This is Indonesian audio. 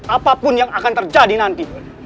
apapun yang akan terjadi nanti